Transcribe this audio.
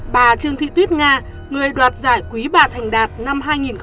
bà trương thị tuyết nga người đoạt giải quý bà thành đạt năm hai nghìn chín